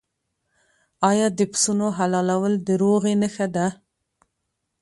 آیا د پسونو حلالول د روغې نښه نه ده؟